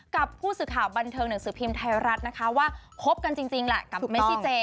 กับผู้สื่อข่าวบันเทิงหนังสือพิมพ์ไทยรัฐนะคะว่าคบกันจริงแหละกับเมซิเจ